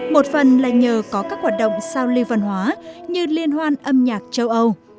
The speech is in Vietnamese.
một phần là nhờ có các hoạt động sao lưu văn hóa như liên hoan âm nhạc châu âu